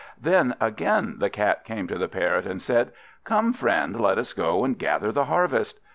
Then again the Cat came to the Parrot, and said "Come, friend, let us go and gather the harvest."